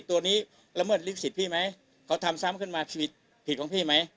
ตัวนี้ละเมิดลิขสิทธิ์พี่ไหมเขาทำซ้ำขึ้นมาชีวิตผิดของพี่ไหม